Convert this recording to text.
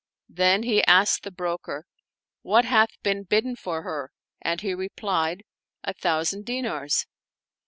Then he asked the broker, "What hath been bidden for her?" and he replied, " A thousand dinars."